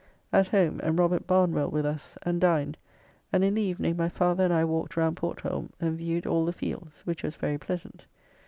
At home, and Robert Barnwell with us, and dined, and in the evening my father and I walked round Portholme and viewed all the fields, which was very pleasant.